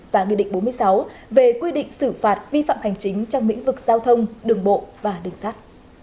và nghị định bốn mươi sáu về quy định xử phạt vi phạm hành chính trong lĩnh vực giao thông đường bộ và đường sắt